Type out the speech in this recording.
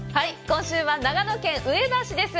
今週は長野県上田市です。